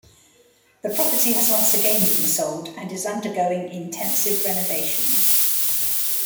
The property has once again been sold and is undergoing intensive renovations.